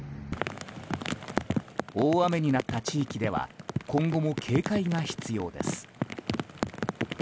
大雨になった地域では今後も警戒が必要です。